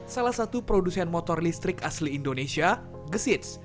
salah satu produsen motor listrik asli indonesia gesits